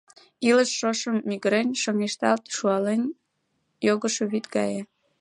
Илыш шошым мӱгырен, шоҥешталт, шаулен йогышо вӱд гае.